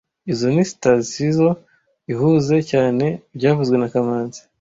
Izoi ni sitasizoo ihuze cyane byavuzwe na kamanzi